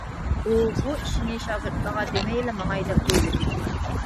ئۇ بۇ ئىشىنى شاگىرتلارغا دېمەيلا ماڭاي دەپ ئويلىدى.